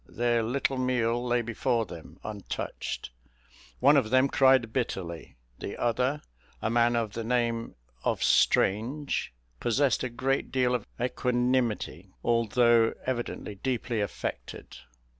Their little meal lay before them untouched; one of them cried bitterly; the other, a man of the name of Strange, possessed a great deal of equanimity, although evidently deeply affected.